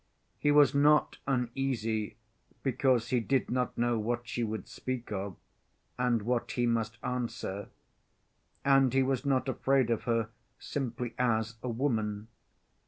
He was not uneasy because he did not know what she would speak of and what he must answer. And he was not afraid of her simply as a woman.